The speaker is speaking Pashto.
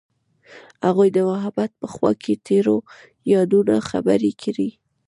هغوی د محبت په خوا کې تیرو یادونو خبرې کړې.